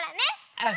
うん！